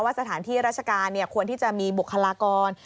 สถานที่ราชการควรที่จะมีบุคลากร